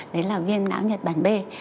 đấy là viêm não nhật bản b